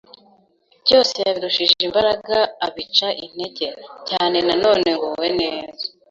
byose yabirushije imbaraga abica integer cyane none nguwe neza,